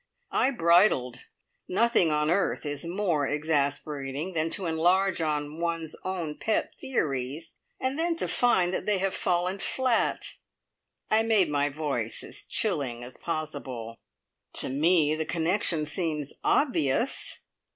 I bridled. Nothing on earth is more exasperating than to enlarge on one's own pet theories, and then to find that they have fallen flat. I made my voice as chilling as possible. "To me the connection seems obvious."